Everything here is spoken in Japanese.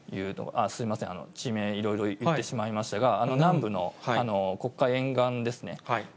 すみません、地名いろいろ言ってしまいましたが、南部の黒海沿岸ですね。